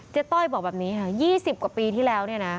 ต้อยบอกแบบนี้ค่ะ๒๐กว่าปีที่แล้วเนี่ยนะ